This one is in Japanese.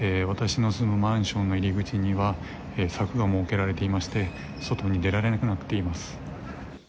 私の住むマンションの入り口には柵が設けられていまして、外に出られなくなっています。